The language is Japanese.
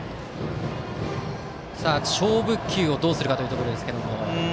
勝負球をどうするかというところですが。